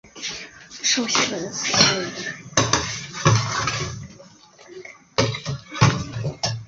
授行人司行人。